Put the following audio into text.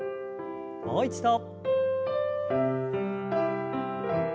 もう一度。